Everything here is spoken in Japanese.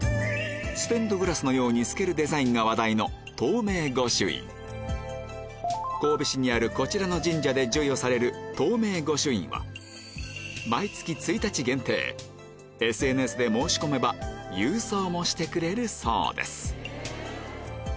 ステンドグラスのように透けるデザインが話題のこちらの神社で授与される透明御朱印はＳＮＳで申し込めば郵送もしてくれるそうです